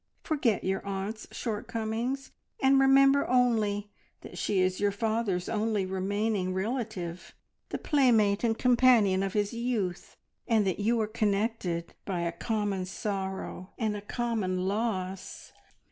Forget your aunt's shortcomings, and remember only that she is your father's only remaining relative, the playmate and companion of his youth, and that you are connected by a common sorrow and a common loss.